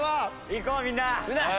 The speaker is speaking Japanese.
いこうみんな。